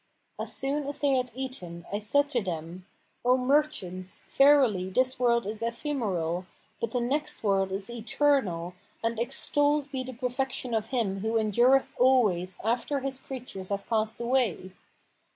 As soon as they had eaten, I said to them, 'O merchants, verily this world is ephemeral, but the next world is eternal, and extolled be the perfection of Him who endureth always after His creatures have passed away!